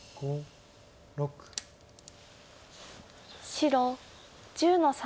白１０の三。